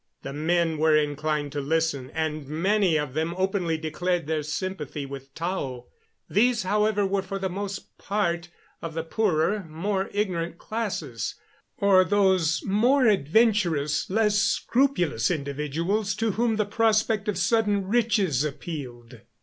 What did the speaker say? The men were inclined to listen, and many of them openly declared their sympathy with Tao. These, however, were for the most part of the poorer, more ignorant classes, or those more adventurous, less scrupulous individuals to whom the prospect of sudden riches appealed.